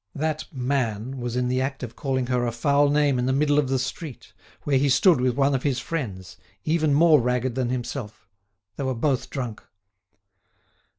"That man" was in the act of calling her a foul name in the middle of the street, where he stood with one of his friends, even more ragged than himself. They were both drunk.